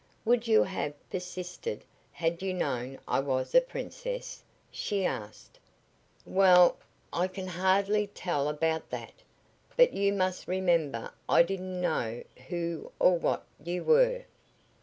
"Would you have persisted had you known I was a princess?" she asked. "Well, I can hardly tell about that, but you must remember I didn't know who or what you were."